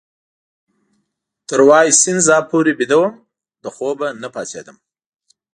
تر وایسینزا پورې بیده وم، له خوبه نه پاڅېدم.